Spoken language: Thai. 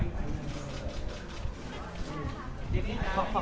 สวัสดีค่ะ